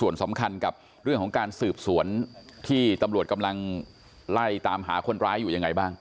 ล่ะเรื่องของการสืบสวนที่ตำรวจกำลังไล่ตามหาคนร้ายอยู่อย่างไรบ้าง